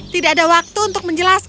tidak ada waktu untuk menjelaskan